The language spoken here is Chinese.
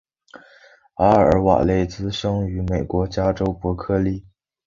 阿尔瓦雷茨生于美国加州伯克利。